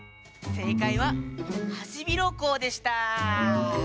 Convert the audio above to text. せいかいはハシビロコウでした。